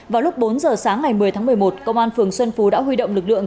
vào lúc bốn giờ sáng ngày một mươi tháng một mươi một công an phường xuân phú đã huy động lực lượng